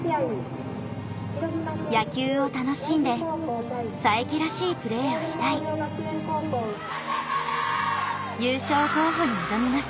野球を楽しんで佐伯らしいプレーをしたい優勝候補に挑みます